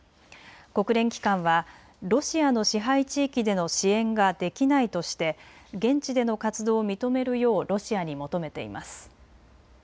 国連機関はロシアの支配地域での支援ができないとして現地での活動を認めるようロシアに求めています。